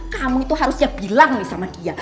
kamu itu harusnya bilang nih sama dia